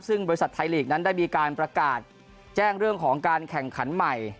ซึ่งบริษัทไทยลีกนั้นได้มีการประกาศแจ้งเรื่องของการแข่งขันใหม่